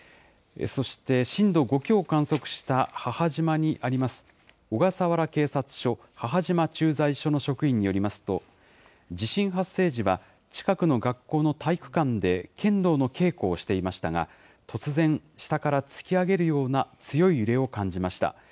そして、震度５強を観測した母島にあります、小笠原警察署母島駐在所の職員によりますと、地震発生時は近くの学校の体育館で剣道の稽古をしていましたが、突然、下から突き上げるような強い揺れを感じました。